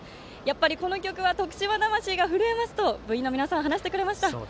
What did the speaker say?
この曲は徳島魂がふるえますと部員の皆さん、話してくれました。